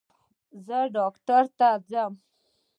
زه ډاکټر ته ځم